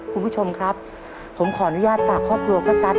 คุณผู้ชมครับผมขออนุญาตฝากครอบครัวพ่อจั๊